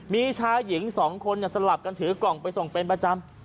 มีชายหญิง๒คนสลับกันถือกล่องไปส่งเป็นประจำ